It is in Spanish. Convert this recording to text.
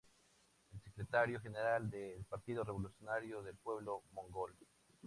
Es el Secretario General del Partido Revolucionario del Pueblo Mongol.